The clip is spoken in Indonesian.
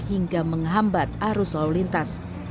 hingga menghambat arus lalu lintas